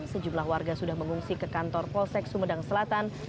sejumlah warga sudah mengungsi ke kantor polsek sumedang selatan